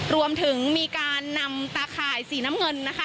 รวมถึงมีการนำตาข่ายสีน้ำเงินนะคะ